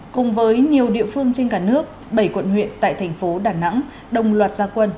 cùng với nhiều địa phương trên cả nước bảy quận huyện tại thành phố đà nẵng đồng loạt gia quân